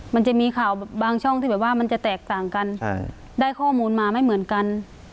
มันจะมีข่าวบางช่องที่แบบว่ามันจะแตกต่างกันได้ข้อมูลมาไม่เหมือนกัน